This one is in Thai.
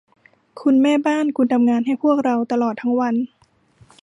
คุณแม่บ้าน คุณทำงานให้พวกเราตลอดทั้งวัน